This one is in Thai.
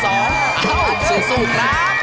อ้าวสุดครับ